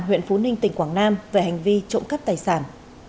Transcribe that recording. huyện phú ninh tỉnh quảng nam về hành vi trộm cắp tài sản